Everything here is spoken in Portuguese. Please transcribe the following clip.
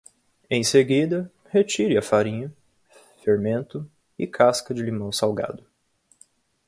Em seguida, retire a farinha, fermento e casca de limão salgado.